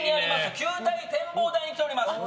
球体展望台に来ております。